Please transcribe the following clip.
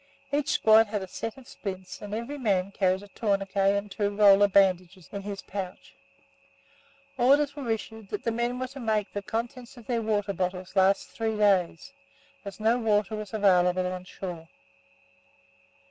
Each squad had a set of splints, and every man carried a tourniquet and two roller bandages in his pouch. Orders were issued that the men were to make the contents of their water bottles last three days, as no water was available on shore.